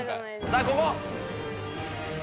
さあここ！